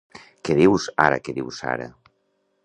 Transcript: Què dius ara que diu Sara?